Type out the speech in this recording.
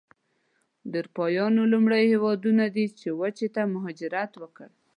د اروپایانو لویو هېوادونو دې وچې ته مهاجرت وکړ.